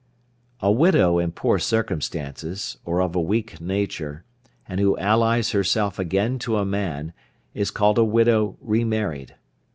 A widow in poor circumstances, or of a weak nature, and who allies herself again to a man, is called a widow re married.